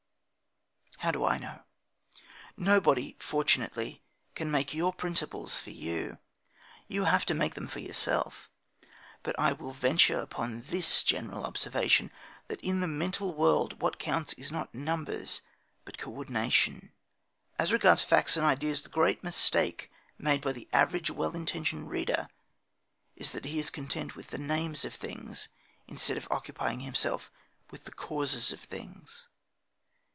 How do I know? Nobody, fortunately, can make your principles for you. You have to make them for yourself. But I will venture upon this general observation: that in the mental world what counts is not numbers but co ordination. As regards facts and ideas, the great mistake made by the average well intentioned reader is that he is content with the names of things instead of occupying himself with the causes of things.